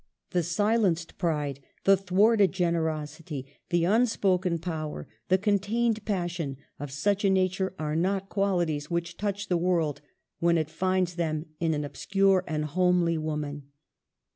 The silenced pride, the thwarted generosity, the unspoken power, the contained passion, of such a nature are not qualities which touch the world when it finds them in an ob scure and homely woman.